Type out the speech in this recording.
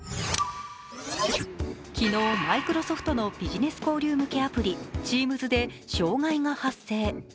昨日、マイクロソフトのビジネス交流向けアプリ、ＴＥＡＭＳで障害が発生。